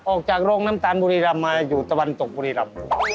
ออกจากโรงน้ำตาลบุรีรำมาอยู่ตะวันตกบุรีรำ